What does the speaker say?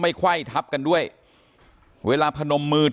การแก้เคล็ดบางอย่างแค่นั้นเอง